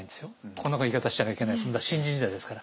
こんな言い方しちゃいけないですけどまだ新人時代ですから。